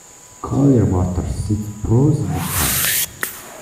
Collier Motors sits frozen in time.